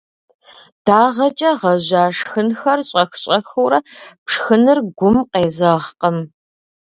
Дагъэкӏэ гъэжьа шхынхэр щӏэх-щӏэхыурэ пшхыныр гум къезэгъкъым.